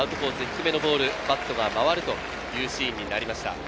低めのボール、バットが回るというシーンになりました。